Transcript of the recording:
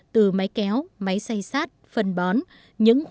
từ máy kéo máy xay sát phân bón